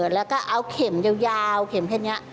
แล้วก็เอาเข็มยาวเข็มแค่นี้